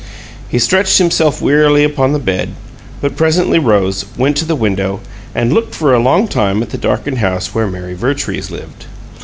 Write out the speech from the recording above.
He stretched himself wearily upon the bed, but presently rose, went to the window, and looked for a long time at the darkened house where Mary Vertrees lived.